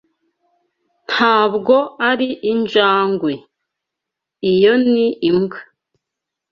Ntabwo ari injangwe. Iyo ni imbwa.